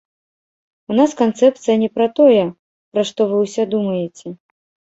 У нас канцэпцыя не пра тое, пра што вы ўсе думаеце.